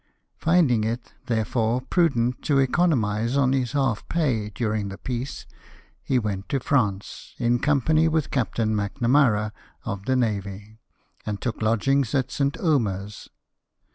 Finding it, therefore, prudent to economise on his half pay during the peace, he went to France, in company with Captain Macnamara, of the navj^, and took lodgings at St. Omer's.